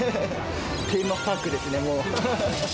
テーマパークですね、もう。